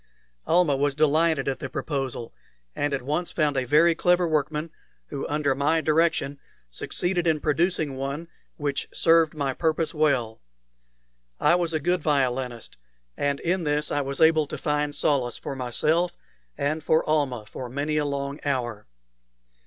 Almah was delighted at the proposal, and at once found a very clever workman, who under my direction succeeded in producing one which served my purpose well. I was a good violinist, and in this I was able to find solace for myself and for Almah for many a long hour.